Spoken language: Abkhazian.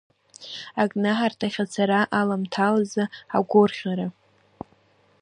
Акнаҳарҭахь ацара аламҭалазы агәырӷьара.